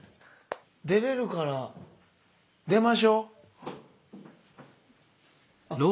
出れるから出ましょう。